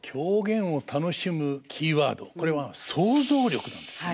これは想像力なんですね。